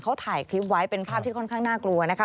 เขาถ่ายคลิปไว้เป็นภาพที่ค่อนข้างน่ากลัวนะคะ